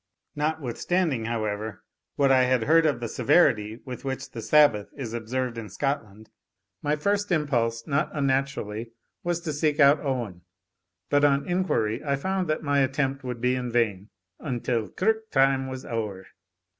Notwithstanding, however, what I had heard of the severity with which the Sabbath is observed in Scotland, my first impulse, not unnaturally, was to seek out Owen; but on inquiry I found that my attempt would be in vain, "until kirk time was ower."